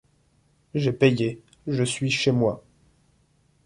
J’ai payé, je suis chez moi.